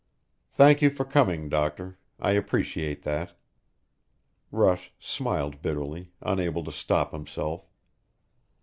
"Thank you for coming, doctor I appreciate that." Rush smiled bitterly, unable to stop himself.